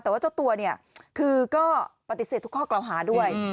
แต่ว่าเจ้าตัวเนี่ยคือก็ปฏิเสธทุกข้อกล่าวหาด้วย